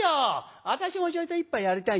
私もちょいと一杯やりたいんだ。